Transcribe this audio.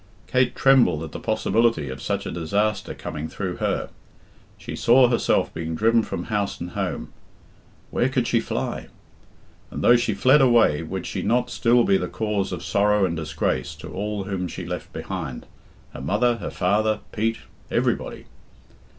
Kate trembled at the possibility of such a disaster coming through her. She saw herself being driven from house and home. Where could she fly? And though she fled away, would she not still be the cause of sorrow and disgrace to all whom she left behind her mother, her father, Pete, everybody?